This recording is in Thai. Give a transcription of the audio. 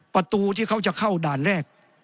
ประตูที่เขาจะเข้าด่านแรก